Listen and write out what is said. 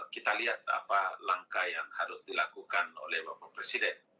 kita lihat apa langkah yang harus dilakukan oleh bapak presiden